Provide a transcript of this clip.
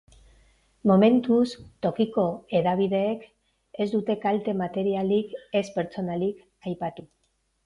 Momentuz, tokiko hedabideek ez dute kalte materialik ez pertsonalik aipatu.